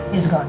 dia sudah pergi